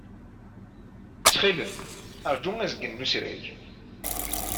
Ttxil-m, ṛju azgen n usrag.